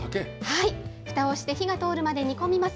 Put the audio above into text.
ふたをして火が通るまで煮込みます。